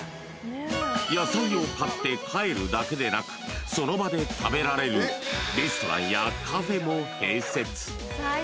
［野菜を買って帰るだけでなくその場で食べられるレストランやカフェも併設］